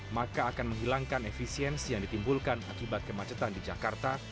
maka akan menghilangkan efisiensi yang ditimbulkan akibat kemacetan di jakarta